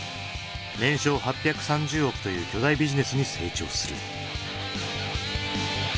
年商８３０億という巨大ビジネスに成長する。